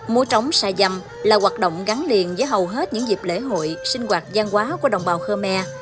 múa trống xa dầm là hoạt động gắn liền với hầu hết những dịp lễ hội sinh hoạt gian quá của đồng bào khơ me